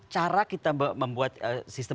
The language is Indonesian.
cara kita membuat sistem